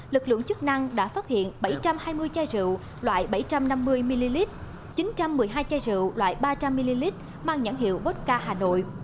lực lượng chức năng đã phát hiện bảy trăm hai mươi chai rượu loại bảy trăm năm mươi ml chín trăm một mươi hai chai rượu loại ba trăm linh ml mang nhãn hiệu votca hà nội